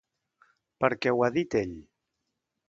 Perquè ho ha dit ell.